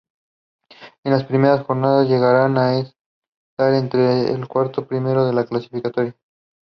Hurricanes destroyed the wooden finger dock structures and they were never rebuilt.